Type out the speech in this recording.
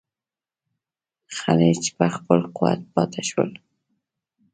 خلج په خپل قوت پاته شول.